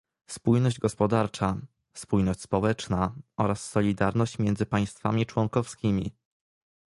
spójność gospodarcza, spójność społeczna oraz solidarność między państwami członkowskimi